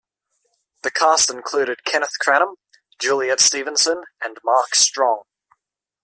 The cast included Kenneth Cranham, Juliet Stevenson and Mark Strong.